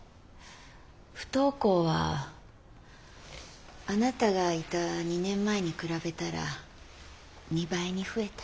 不登校はあなたがいた２年前に比べたら２倍に増えた。